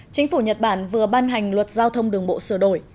chính phủ nhật bản vừa ban hành luật giao thông đường bộ sửa đổi